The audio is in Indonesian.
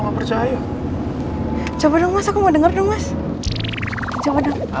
aku masih harus sembunyikan masalah lo andin dari mama